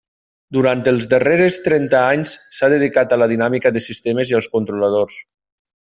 Durant els darreres trenta anys s'ha dedicat a la dinàmica de sistemes i als controladors.